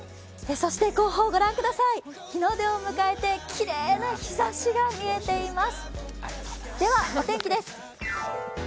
そして後方、御覧ください、日の出を迎えてきれいな日ざしが見えています。